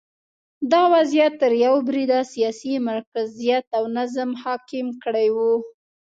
دا وضعیت تر یوه بریده سیاسي مرکزیت او نظم حاکم کړی و